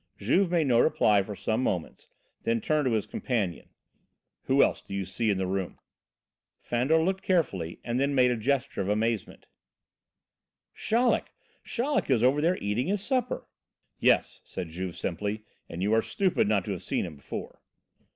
Juve made no reply for some moments, then turned to his companion. "Who else do you see in the room?" Fandor looked carefully, and then made a gesture of amazement. "Chaleck! Chaleck is over there eating his supper!" "Yes," said Juve simply, "and you are stupid not to have seen him before."